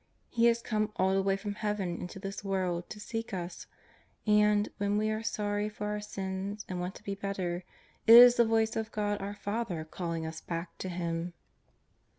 He has come all the way from Heaven into this world to seek us, and, when we are sorry Iot our sins and want to be better, it is the voice of God our Father calling us back to Him.